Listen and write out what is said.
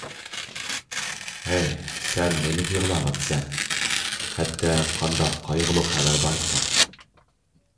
ھەي، سەن نېمىگە يىغلاۋاتىسەن؟ خەتتە قانداق قايغۇلۇق خەۋەر بار ئىكەن؟